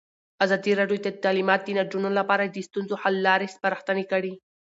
ازادي راډیو د تعلیمات د نجونو لپاره د ستونزو حل لارې سپارښتنې کړي.